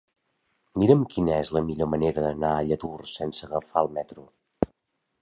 Mira'm quina és la millor manera d'anar a Lladurs sense agafar el metro.